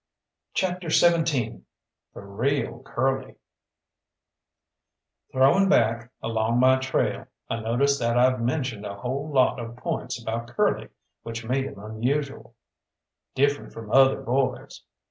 CHAPTER XVII THE REAL CURLY Throwing back along my trail, I notice that I've mentioned a whole lot of points about Curly which made him unusual, different from other boys.